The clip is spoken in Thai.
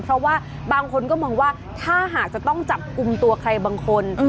เพราะว่าบางคนก็มองว่าถ้าหากจะต้องจับกลุ่มตัวใครบางคน